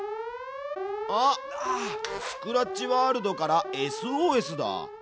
あっスクラッチワールドからＳＯＳだ！